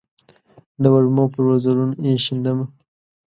د وږمو پر وزرونو یې شیندمه